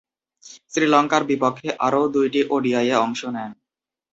শ্রীলঙ্কার বিপক্ষে আরও দুইটি ওডিআইয়ে অংশ নেন।